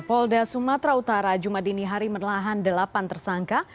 polda sumatera utara jumadini hari menelahan delapan tersangka